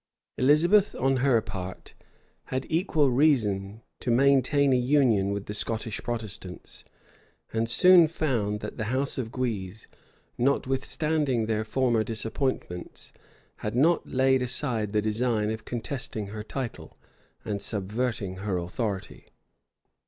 Elizabeth, on her part, had equal reason to maintain a union with the Scottish Protestants; and soon found that the house of Guise, notwithstanding their former disappointments, had not laid aside the design of contesting her title, and subverting her authority.